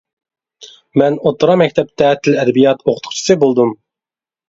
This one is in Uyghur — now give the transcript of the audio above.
مەن ئوتتۇرا مەكتەپكە تىل-ئەدەبىيات ئوقۇتقۇچىسى بولدۇم.